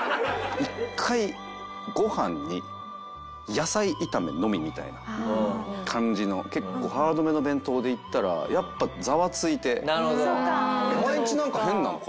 一回ご飯に野菜炒めのみみたいな感じの結構ハードめの弁当で行ったらやっぱザワついて「お前んちなんか変なのか？」